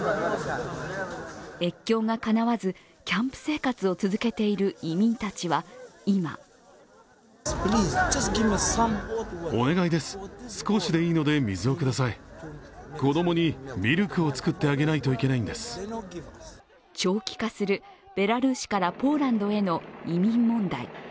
越境がかなわず、キャンプ生活を続けている移民たちは今長期化するベラルーシからポーランドへの移民問題。